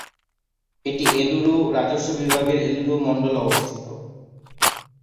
এটি এলুরু রাজস্ব বিভাগের এলুরু মণ্ডলে অবস্থিত।